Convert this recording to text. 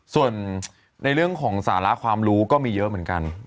ส่วนในเรื่องของสาระความรู้ก็มีเยอะเหมือนกัน